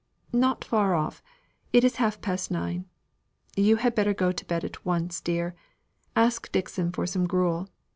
"Not far off it is half past nine. You had better go to bed at once, dear. Ask Dixon for some gruel.